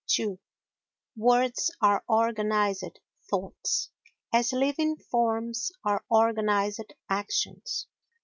ii Words are organised thoughts, as living forms are organised actions.